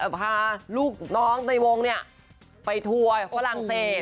พาลูกน้องในวงเนี่ยไปทัวร์ฝรั่งเศส